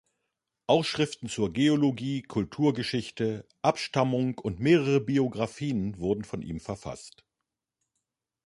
Auch Schriften zu Geologie, Kulturgeschichte, Abstammung und mehrere Biografien wurden von ihm verfasst.